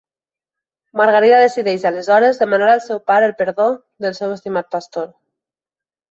Margarida decideix aleshores demanar al seu pare el perdó pel seu estimat pastor.